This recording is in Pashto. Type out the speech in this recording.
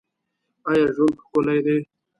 آیا ژوند ښکلی دی؟